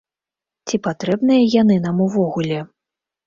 Ці патрэбныя яны нам увогуле?